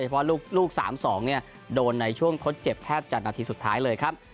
เพราะลูก๓๒โดนในช่วงทดเจ็บแทบจากนาทีสุดท้ายเลยครับ